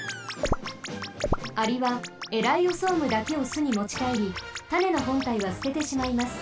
アリはエライオソームだけをすにもちかえりたねのほんたいはすててしまいます。